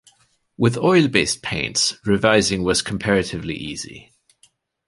With oil-based paints, revising was comparatively easy.